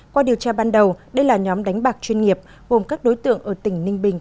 qua điều tra ban đầu đây là nhóm đánh bạc chuyên nghiệp gồm các đối tượng ở tỉnh ninh bình